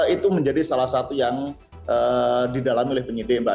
itu menjadi salah satu yang didalami oleh penyidik mbak